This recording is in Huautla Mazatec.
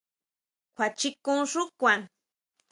¿Kjuachikun xu kuan?